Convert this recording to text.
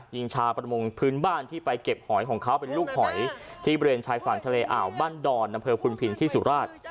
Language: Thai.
ยิงชาวประมงพื้นบ้านที่ไปเก็บหอยของเขาเป็นลูกหอยที่บริเวณชายฝั่งทะเลอ่าวบ้านดอนอำเภอพุนพินที่สุราช